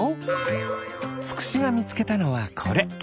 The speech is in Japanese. つくしがみつけたのはこれ。